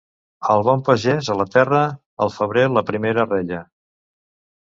El bon pagès a la terra, al febrer la primera rella.